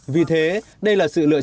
vì thế đây là sự lựa chọn